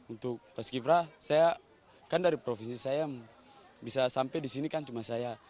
untuk pas kiprah saya kan dari provinsi saya bisa sampai disini kan cuma saya